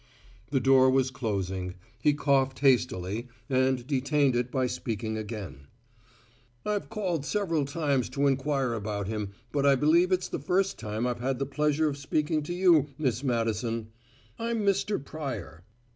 The door was closing; he coughed hastily, and detained it by speaking again. "I've called several times to inquire about him, but I believe it's the first time I've had the pleasure of speaking to you, Miss Madison. I'm Mr. Pryor."